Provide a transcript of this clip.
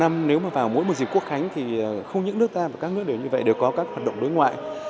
năm nếu mà vào mỗi một dịp quốc khánh thì không những nước ta và các nước đều như vậy đều có các hoạt động đối ngoại